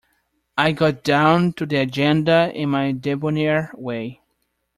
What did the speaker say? I got down to the agenda in my debonair way.